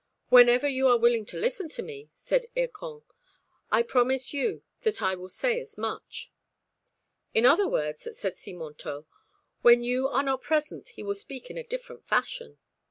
"Whenever you are willing to listen to me," said Hircan, "I promise you that I will say as much." "In other words," said Simontault, "when you are not present, he will speak in a different fashion."